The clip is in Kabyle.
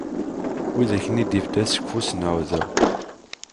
Widak-nni i d-ifda seg ufus n uɛdaw.